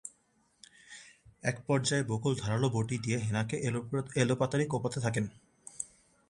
একপর্যায়ে বকুল ধারালো বঁটি দিয়ে হেনাকে এলোপাতাড়ি কোপাতে থাকেন।